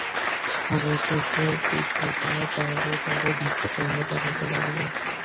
অবশেষে বিধবা দ্বারে দ্বারে ভিক্ষা চাহিয়া বেড়াইতে লাগিলেন।